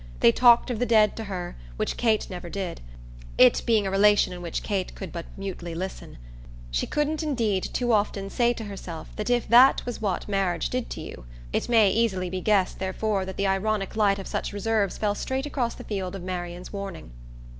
They talked of the dead to her, which Kate never did; it being a relation in which Kate could but mutely listen. She couldn't indeed too often say to herself that if that was what marriage did to you ! It may easily be guessed therefore that the ironic light of such reserves fell straight across the field of Marian's warning.